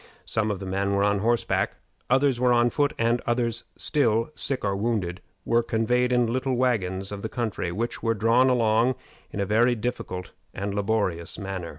Some of the men were on horseback, others were on foot, and others still, sick or wounded, were conveyed on little wagons of the country, which were drawn along in a very difficult and laborious manner.